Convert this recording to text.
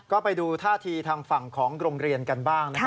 ก็ไปดูท่าทีทางฝั่งของโรงเรียนกันบ้างนะครับ